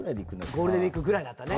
ゴールデンウイークくらいだったね。